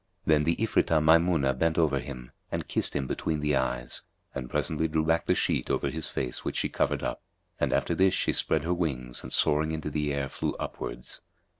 Then the Ifritah Maymunah bent over him and kissed him between the eyes, and presently drew back the sheet over his face which she covered up; and after this she spread her wings and soaring into the air, flew upwards.